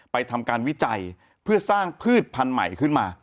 ทำการวิจัยเพื่อสร้างพืชพันธุ์ใหม่ขึ้นมา